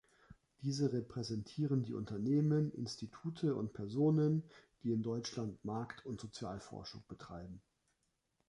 Diese repräsentieren die Unternehmen, Institute und Personen, die in Deutschland Markt- und Sozialforschung betreiben.